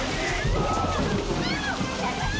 tidak tidak tidak